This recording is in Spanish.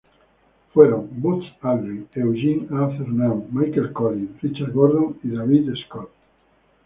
Fueron: Buzz Aldrin, Eugene A. Cernan, Michael Collins, Richard Gordon y David Scott.